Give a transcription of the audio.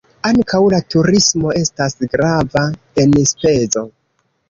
Ankaŭ la turismo estas grava enspezo.